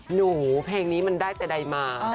เพลงนี้มันได้แต่ใดมา